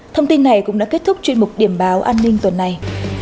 thông tin này cũng đã kết thúc chuyên mục điểm báo an ninh tuần này